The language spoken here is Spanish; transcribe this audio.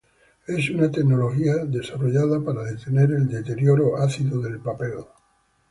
Es una tecnología desarrollada para detener el deterioro ácido del papel.